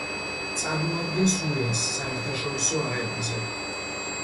წარმოადგენს უელსს საერთაშორისო არენაზე.